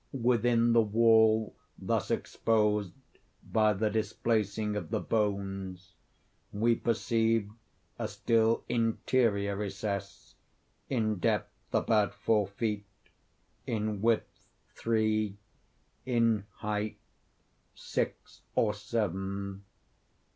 Within the wall thus exposed by the displacing of the bones, we perceived a still interior recess, in depth about four feet, in width three, in height six or seven.